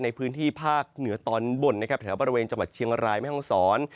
ในพื้นที่ภาคเหนือตอนบนนะครับแถวบริเวณจังหวัดเชียงรายแม่ห้องศร